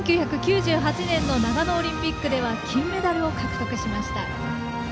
１９９８年の長野オリンピックでは金メダルを獲得しました。